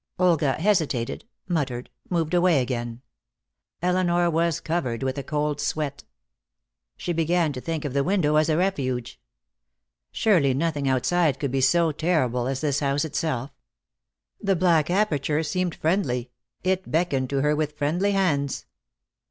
Olga hesitated, muttered, moved away again. Elinor was covered with a cold sweat. She began to think of the window as a refuge. Surely nothing outside could be so terrible as this house itself. The black aperture seemed friendly; it beckoned to her with friendly hands.